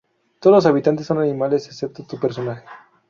Todos los habitantes son animales excepto tu personaje.